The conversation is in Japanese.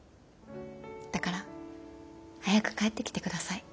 だから早く帰ってきて下さい。